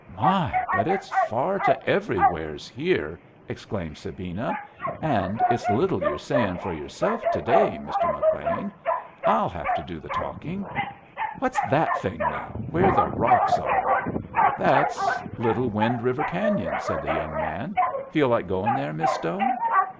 "My! but it's far to everywheres here," exclaimed Sabina, "and it's little you're sayin' for yourself to day, Mr. McLean. I'll have to do the talking. What's that thing now, where the rocks are?" "That's Little Wind River Canyon," said the young man. "Feel like goin' there, Miss Stone?"